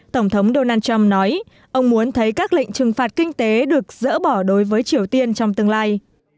tổng thống donald trump nói ông muốn thấy các lệnh trừng phạt kinh tế được dỡ bỏ đối với triều tiên trong tương lai